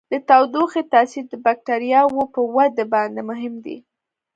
د تودوخې تاثیر د بکټریاوو په وده باندې مهم دی.